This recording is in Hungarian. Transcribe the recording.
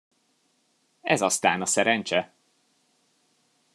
Ez aztán a szerencse!